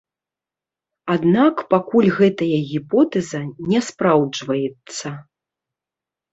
Аднак пакуль гэтая гіпотэза не спраўджваецца.